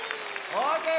オーケー！